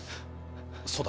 そうだ。